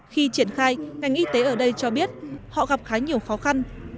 khi triển khai ngành y tế ở đây cho biết họ gặp khá nhiều khó khăn